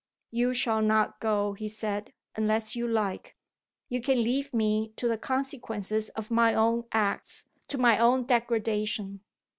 "You shall not go," he said, "unless you like. You can leave me to the consequences of my own acts to my own degradation.